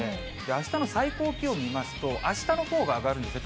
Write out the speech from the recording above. あしたの最高気温見ますと、あしたのほうが上がるんですね。